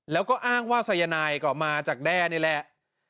แล้วก็อ้างว่าสายนายก็มาจากแด้นี่แหละ